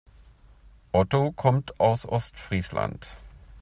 Otto kommt aus Ostfriesland.